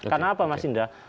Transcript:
karena apa mas indra